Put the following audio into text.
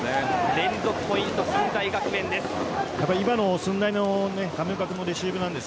連続ポイント、駿台学園です。